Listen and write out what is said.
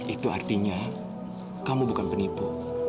itu artinya kamu bukan penipu